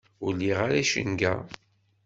Ur liɣ ara icenga.